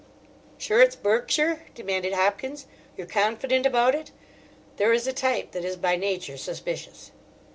'" "Sure it's Berkshire?" demanded Hopkins. "You're confident about it?" There is a type that is by nature suspicious.